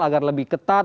agar lebih ketat